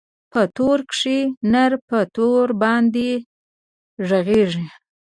په توره کښې نر په توره باندې ږغېږي.